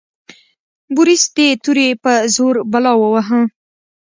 بوریس د تورې په زور بلا وواهه.